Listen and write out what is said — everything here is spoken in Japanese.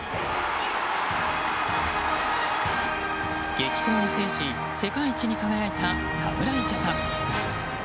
激闘を制し世界一に輝いた侍ジャパン。